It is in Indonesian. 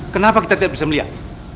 kenapa kita tidak bisa melihat